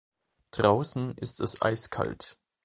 Draußen ist es eiskalt!